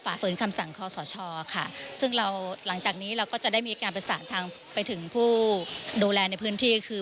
ฝืนคำสั่งคอสชค่ะซึ่งเราหลังจากนี้เราก็จะได้มีการประสานทางไปถึงผู้ดูแลในพื้นที่ก็คือ